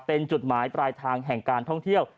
เป็นจุดหมายปลายทางแห่งการท่องเที่ยว